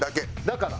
だから。